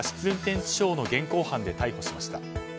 運転致傷の現行犯で逮捕しました。